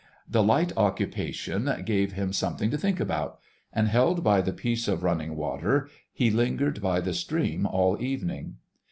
The light occupation gave him something to think about; and, held by the peace of running water, he lingered by the stream till evening.